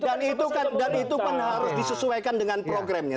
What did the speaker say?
dan itu kan harus disesuaikan dengan programnya